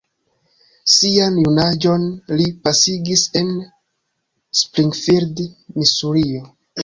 Sian junaĝon li pasigis en Springfield, Misurio.